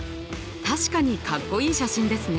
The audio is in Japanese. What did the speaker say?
確かにかっこいい写真ですね。